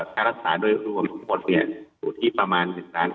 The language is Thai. การรักษาโดยร่วมทั้งหมดถูกที่ประมาณ๑๕๐๐๐๐๐บาท